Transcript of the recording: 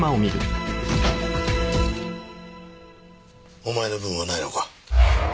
お前の分はないのか？